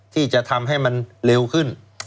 ที่จะทำให้มันเร็วขึ้น